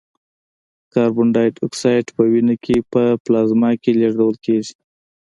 کاربن دای اکساید په وینه کې په پلازما کې لېږدول کېږي.